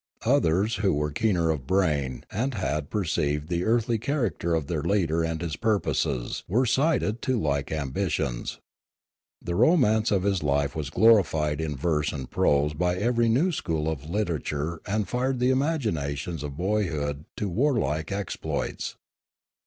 Others who were keener of brain and had perceived the earthly character of their leader and his purposes were incited to like ambitions. The romance of bis life was glorified in verse and prose by every new school of literature and Choktroo 217 fired the imaginations of boyhood to warlike exploits.